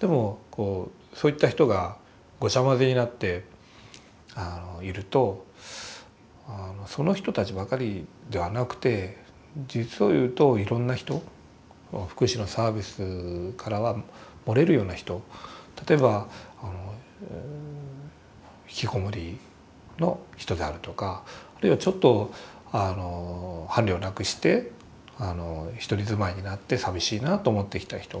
でもそういった人がごちゃまぜになっているとその人たちばかりではなくて実を言うといろんな人福祉のサービスからは漏れるような人例えば引きこもりの人であるとかあるいはちょっと伴侶を亡くして独り住まいになって寂しいなと思ってきた人が例えばやって来て。